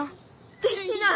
できない。